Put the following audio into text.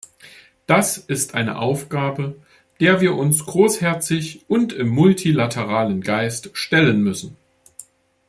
Das ist eine Aufgabe, der wir uns großherzig und im multilateralen Geist stellen müssen.